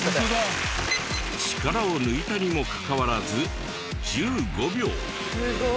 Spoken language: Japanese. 力を抜いたにもかかわらず１５秒。